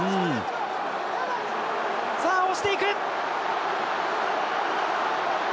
さあ、押していく。